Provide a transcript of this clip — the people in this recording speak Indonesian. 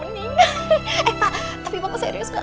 eh pak tapi bapak serius kak